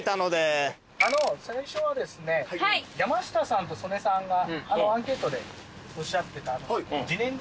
あの最初はですね山下さんと曽根さんがアンケートでおっしゃってた。